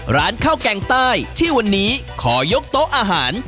ร้านข้าวแกงใต้ที่วันนี้ขอยกโต๊ะอาหาร